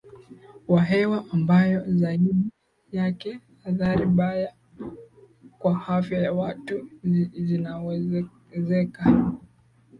wa hewa ambayo zaidi yake athari mbaya kwa afya za watu zinawezeka